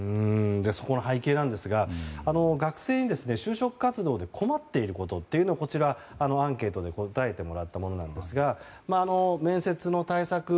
そこの背景なんですが学生に就職活動で困っていることをアンケートで答えてもらったものですが面接の対策